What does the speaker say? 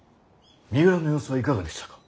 三浦の様子はいかがでしたか。